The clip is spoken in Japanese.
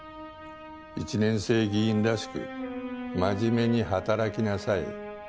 １年生議員らしく真面目に働きなさい。